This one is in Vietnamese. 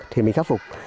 thì mình khắc phục